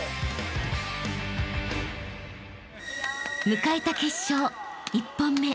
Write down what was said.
［迎えた決勝１本目］